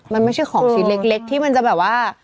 มันไม่ใช่ของชิ้นเล็กที่มันจะแบบว่า